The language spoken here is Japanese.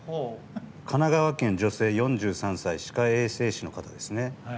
神奈川県、女性４３歳歯科衛生士の方ですね。